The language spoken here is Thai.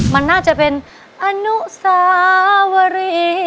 มันน่าจะเป็นอนุสาวรี